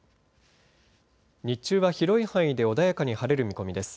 日中は広い範囲で穏やかに晴れる見込みです。